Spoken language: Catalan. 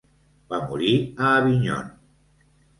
Va morir a Avignon.